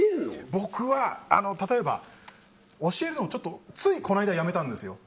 僕は、例えば教えるのついこの間やめたんですよ。